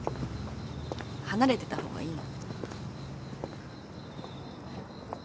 離れてた方がいいの。